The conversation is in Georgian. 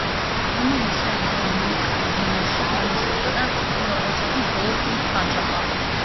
მამამისი ანტონიო კაზინოში თამაშობდა და ოჯახის ბოლო ფულს ხარჯავდა.